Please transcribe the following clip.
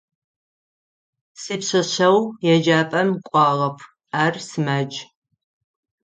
Сипшъэшъэгъу еджапӏэм кӏуагъэп: ар сымадж.